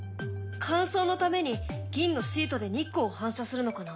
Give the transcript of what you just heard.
乾燥のために銀のシートで日光を反射するのかな？